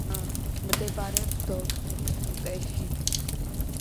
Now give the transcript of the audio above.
მდებარეობს დოუსონის სრუტეში.